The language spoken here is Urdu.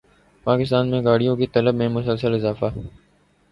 پاکستان میں گاڑیوں کی طلب میں مسلسل اضافہ